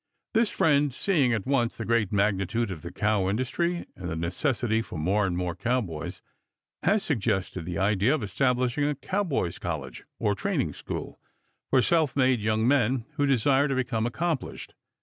This friend, seeing at once the great magnitude of the cow industry and the necessity for more and more cowboys, has suggested the idea of establishing a cowboys' college, or training school, for self made young men who desire to become accomplished.